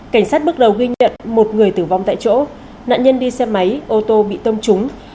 cảnh sát bước đầu ghi nhận một người tử vong tại chỗ nạn nhân đi xe máy ô tô bị tông trúng